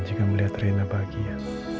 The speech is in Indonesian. jika melihat rena bahagia